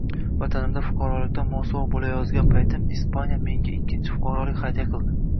Vatanimda fuqarolikdan mosuvo bo‘layozgan paytim, Ispaniya menga ikkinchi fuqarolik hadya qildi